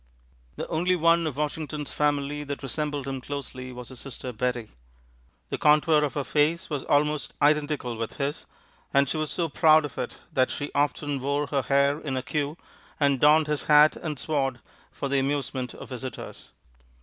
The only one of Washington's family that resembled him closely was his sister Betty. The contour of her face was almost identical with his, and she was so proud of it that she often wore her hair in a queue and donned his hat and sword for the amusement of visitors.